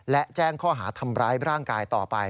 และแจ้งข้อหาทำร้ายร่างกายต่อไป